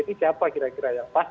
ini siapa kira kira yang pas